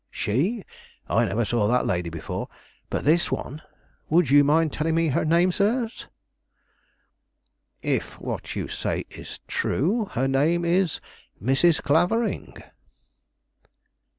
"She? I never saw that lady before; but this one would you mind telling me her name, sirs?" "If what you say is true, her name is Mrs. Clavering."